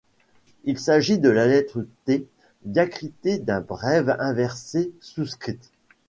Il s’agit de la lettre T diacritée d'un brève inversée souscrite.